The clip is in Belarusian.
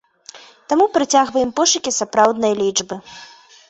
Таму працягваем пошукі сапраўднай лічбы.